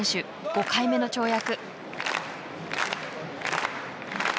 ５回目の跳躍。